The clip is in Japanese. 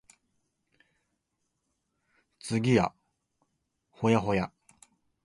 次は保谷保谷